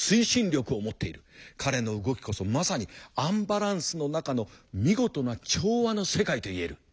彼の動きこそまさにアンバランスの中の見事な調和の世界と言える。